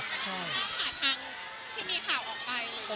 ค่ะผ่าทางที่มีข่าวออกไปหรือ